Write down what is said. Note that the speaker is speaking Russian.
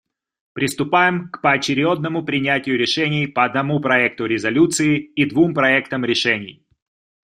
Приступаем к поочередному принятию решений по одному проекту резолюции и двум проектам решений.